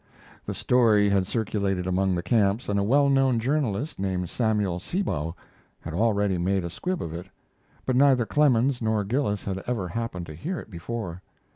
The story had circulated among the camps, and a well known journalist, named Samuel Seabough, had already made a squib of it, but neither Clemens nor Gillis had ever happened to hear it before.